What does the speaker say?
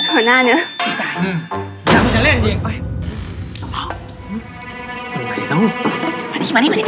หัวหน้าเนี่ย